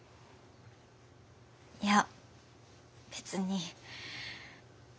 いや別に。